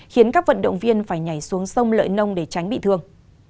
khiến các vận động viên phải nhảy xuống sông lợi nông để tránh bị thương